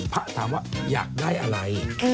ถามว่าอยากได้อะไร